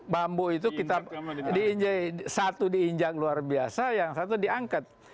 bambu itu kita diinjak satu diinjak luar biasa yang satu diangkat